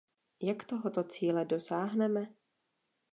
Jak tohoto cíle dosáhneme?